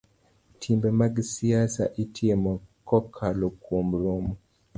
Timbe mag siasa itimo kokalo kuom romo